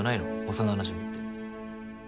幼なじみって。